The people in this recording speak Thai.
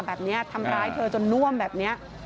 แบบนี้ทำร้ายเธอจนน่วมแบบนี้